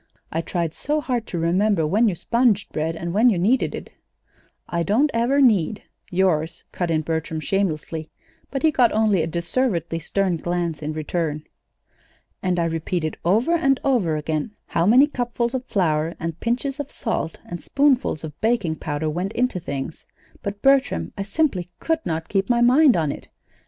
I tried so hard to remember when you sponged bread and when you kneaded it." "I don't ever need yours," cut in Bertram, shamelessly; but he got only a deservedly stern glance in return. "And I repeated over and over again how many cupfuls of flour and pinches of salt and spoonfuls of baking powder went into things; but, Bertram, I simply could not keep my mind on it.